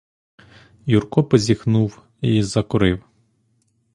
Юрко позіхнув і закурив.